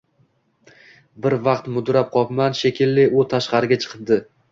Bir vaqt mudrab qopman, shekilli, u tashqariga chiqibdi.